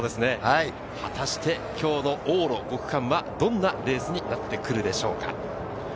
果たして今日の往路５区間はどんなレースになってくるでしょうか。